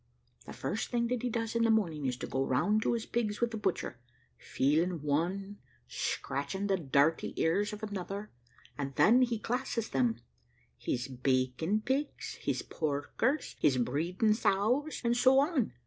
The first thing that he does in the morning, is to go round to his pigs with the butcher, feeling one, scratching the dirty ears of another, and then he classes them his bacon pigs, his porkers, his breeding sows, and so on.